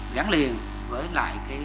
gắn liền với lại